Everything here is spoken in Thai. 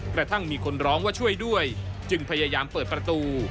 กระทั่งมีคนร้องว่าช่วยด้วยจึงพยายามเปิดประตู